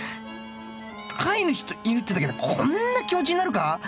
飼い主と犬ってだけでこんな気持ちになるか？